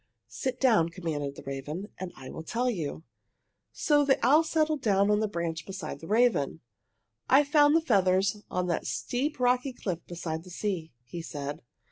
"Sit down," commanded the raven, "and I will tell you!" So the owl settled down on the branch beside the raven. "I found the feathers on that steep, rocky cliff beside the sea," he said.